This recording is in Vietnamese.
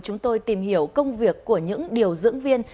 chúng tôi tìm hiểu công việc của những điều dưỡng viên